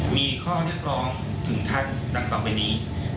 มีข้อเรียกร้องถึงท่านดังต่อไปนี้